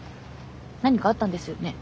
何かあったんですよね？